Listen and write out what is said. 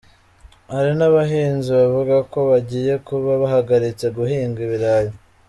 Hari n’abahinzi bavuga ko bagiye kuba bahagaritse guhinga ibirayi.